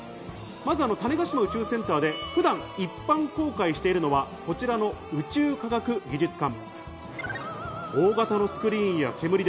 まず種子島宇宙センターで普段一般公開しているのはこちらの宇宙科学技術館。